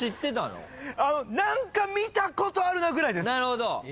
何か見たことあるなぐらいです。